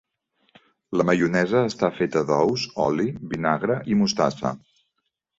La maionesa està feta d'ous, oli, vinagre i mostassa.